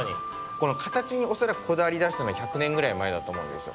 このかたちにおそらくこだわりだしたの１００ねんぐらいまえだとおもうんですよ。